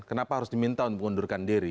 kenapa harus diminta untuk mengundurkan diri